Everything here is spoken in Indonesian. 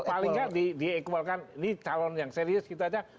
paling nggak dia ekuelkan ini calon yang serius kita saja